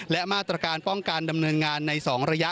และมาตรการป้องกันดำเนินงานใน๒ระยะ